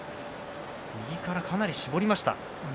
右からかなり絞りました。